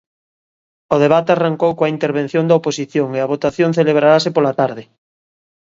O debate arrancou coa intervención da oposición e a votación celebrarase pola tarde.